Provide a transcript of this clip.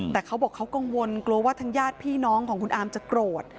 แต่เขาบอกเขากังวลกลัวว่าทางญาติพี่น้องของคุณอาร์มจะโกรธ